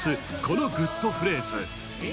このグッとフレーズ